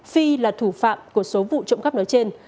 phi là thủ phạm của số vụ trộm cắp nói trên